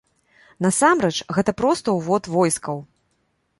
Насамрэч, гэта проста ўвод войскаў.